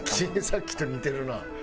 さっきと似てるな。